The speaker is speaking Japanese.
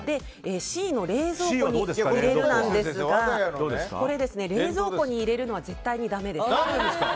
Ｃの冷蔵庫に入れるですがこれ、冷蔵庫に入れるのは絶対にだめです。